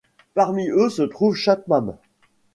Parmi eux se trouve Chapman.